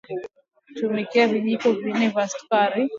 tumia Vijiko vinne vya sukari